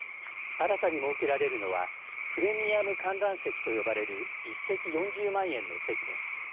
新たに設けられるのはプレミアム観覧席と呼ばれる１席４０万円の席です。